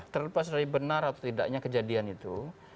terlepas dari benar atau tidaknya kejadian itu